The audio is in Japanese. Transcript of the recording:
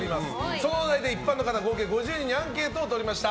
そのお題で一般の方合計５０人にアンケートをとりました。